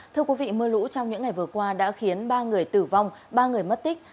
thưa quý vị mưa lũ trong những ngày vừa qua đã khiến ba người tử vong ba người mất tích